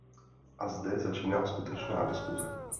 A zde začíná skutečná diskuse.